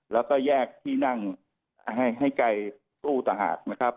แล้วก็แยกที่นั่งให้ไกลตู้ตหาด